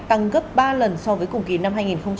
tăng gấp ba lần so với cùng kỳ năm hai nghìn hai mươi hai